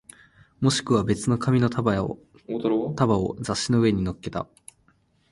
もしくは別の紙の束を雑誌の上に乗っけた